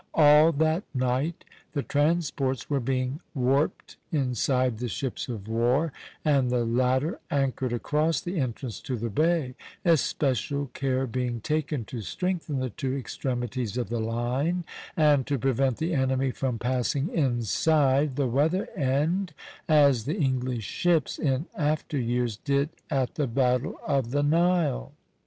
All that night the transports were being warped inside the ships of war, and the latter anchored across the entrance to the bay, especial care being taken to strengthen the two extremities of the line, and to prevent the enemy from passing inside the weather end, as the English ships in after years did at the battle of the Nile.